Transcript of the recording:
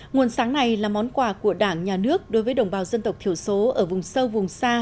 nguồn sáng này là món quà của đảng nhà nước đối với đồng bào dân tộc thiểu số ở vùng sâu vùng xa